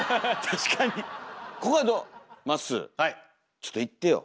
ちょっといってよ。